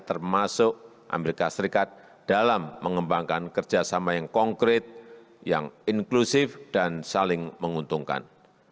termasuk amerika serikat dalam mengembangkan kerjasama yang konkret yang inklusif dan saling menguntungkan